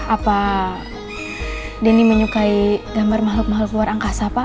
apa denny menyukai gambar makhluk makhluk luar angkasa pak